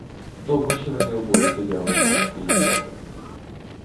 Довго ще вони обоє стояли мовчки й думали.